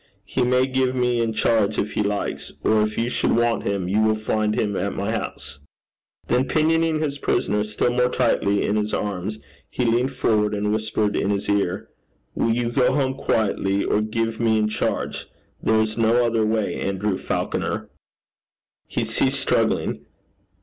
He may give me in charge if he likes. Or if you should want him, you will find him at my house.' Then pinioning his prisoner still more tightly in his arms, he leaned forward, and whispered in his ear, 'Will you go home quietly, or give me in charge? There is no other way, Andrew Falconer.' He ceased struggling.